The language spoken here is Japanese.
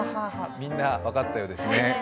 みんな、分かったようですね。